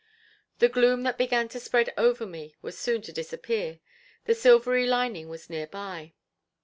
The gloom that began to spread over me was soon to disappear; the silvery lining was near by.